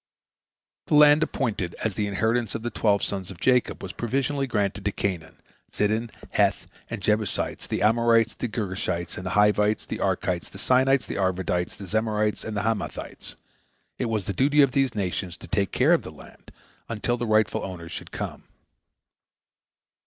The land appointed as the inheritance of the twelve sons of Jacob was provisionally granted to Canaan, Zidon, Heth, the Jebusites, the Amorites, the Girgashites, the Hivites, the Arkites, the Sinites, the Arvadites, the Zemarites, and the Hamathites. It was the duty of these nations to take care of the land until the rightful owners should come.